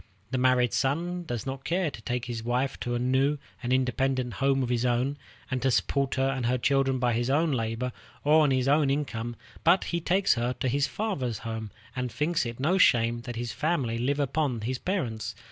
The married son does not care to take his wife to a new and independent home of his own, and to support her and her children by his own labor or on his own income, but he takes her to his father's house, and thinks it no shame that his family live upon his parents.